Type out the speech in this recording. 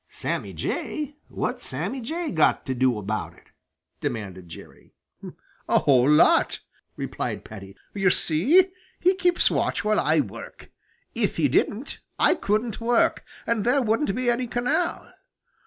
"Sammy Jay? What's Sammy Jay got to do about it?" demanded Jerry. "A whole lot," replied Paddy. "You see, he keeps watch while I work. If he didn't, I couldn't work, and there wouldn't be any canal.